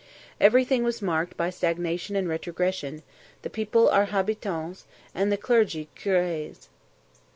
Everything was marked by stagnation and retrogression: the people are habitans, the clergy curés.